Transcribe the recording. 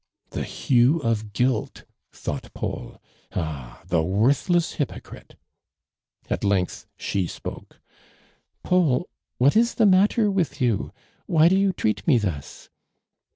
'< The hue of guilt," thought Paul. " Ah ! the worthless hyi)Ocrite !" At length she spoko. " Paul, what is the matter with you ? Why do you treat me thus